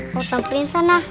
mau samperin sana